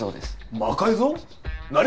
魔改造？